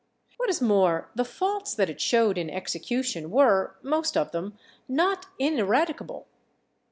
What is more, the faults that it showed in execution were, most of them, not ineradicable.